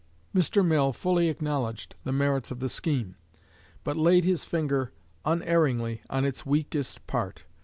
Mr. Mill fully acknowledged the merits of the scheme, but laid his finger unerringly on its weakest part.